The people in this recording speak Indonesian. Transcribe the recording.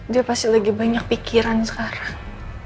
dia pasti lagi banyak pikiran sekarang